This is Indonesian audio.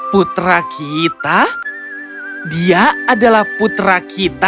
putra kita dia adalah putra kita